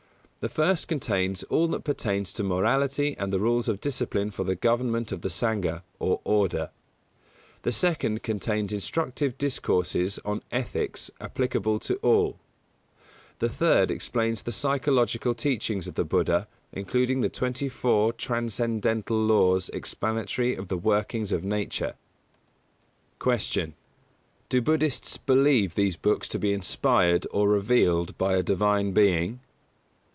The first contains all that pertains to morality and the rules of discipline for the government of the Sangha, or Order; the second contains instructive discourses on ethics applicable to all; the third explains the psychological teachings of the Buddha, including the twenty four transcendental laws explanatory of the workings of Nature. 164. Q. _Do Buddhists relieve these books to be inspired, or revealed, by a Divine Being?